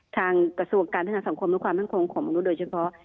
ทางกระทั่งประสงคมและความทางโครงของมนุษย์โดยเฉพาะ